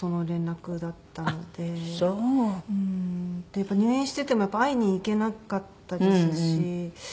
やっぱり入院していても会いに行けなかったですし。